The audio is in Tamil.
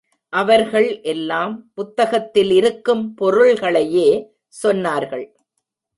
அவர்கள் எல்லாம் புத்தகத்தில் இருக்கும் பொருள்களையே சொன்னார்கள்.